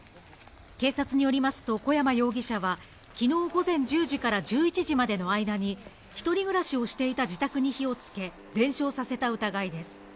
警察によりますと小山容疑者はきのう、午前１０時から１１時までの間に一人暮らしをしていた自宅に火をつけ全焼させた疑いです。